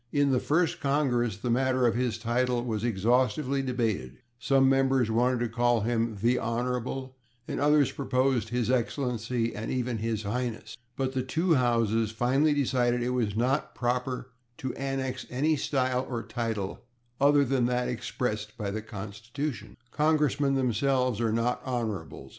In the First Congress the matter of his title was exhaustively debated; some members wanted to call him /the Honorable/ and others proposed /His Excellency/ and even /His Highness/. But the two Houses finally decided that it was "not proper to annex any style or title other than that expressed by the Constitution." Congressmen themselves are not /Honorables